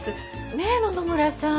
ねえ野々村さん。